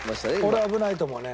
俺危ないと思うね。